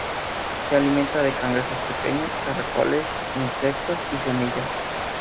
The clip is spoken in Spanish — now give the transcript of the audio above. Se alimenta de cangrejos pequeños, caracoles, insectos y semillas.